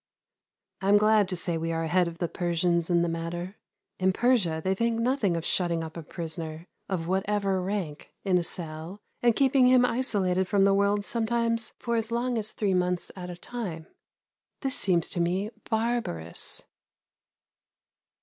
I am glad to say we are ahead of the Persians in the matter. In Persia they think nothing of shutting up a prisoner of whatever rank in a cell and keeping him isolated from the world sometimes for as long as three months at a time. This seems to me barbarous.